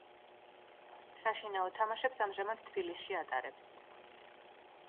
საშინაო თამაშებს ამჟამად თბილისში ატარებს.